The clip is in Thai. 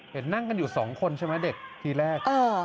เห็นนั่งกันอยู่สองคนใช่ไหมเด็กทีแรก